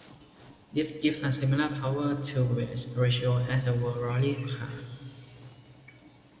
This gives a similar power-to-weight ratio as a World Rally Car.